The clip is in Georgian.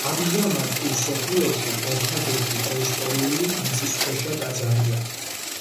ამჟამად კი მსოფლიოში ერთადერთი პრეისტორიული მიწისქვეშა ტაძარია.